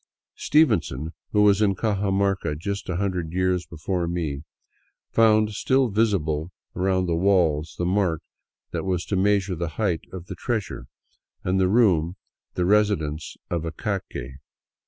Stevenson, who was in Cajamarca just a hundred years before me, found still visible around the wall the mark that was to measure the height of the treasure, and the room, the residence of a cacique.